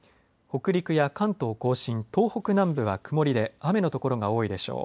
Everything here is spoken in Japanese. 北陸や関東甲信東北南部は曇りで雨の所が多いでしょう。